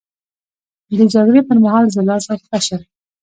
د جګړې پر مهال زه لاس او پښه شم.